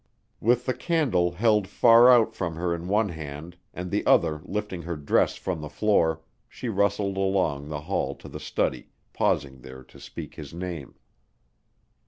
With the candle held far out from her in one hand and the other lifting her dress from the floor, she rustled along the hall to the study, pausing there to speak his name.